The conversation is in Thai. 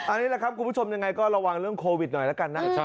อันนี้แหละครับคุณผู้ชมยังไงก็ระวังเรื่องโควิดหน่อยแล้วกันนะ